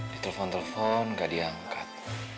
ditelepon telepon gak diangkat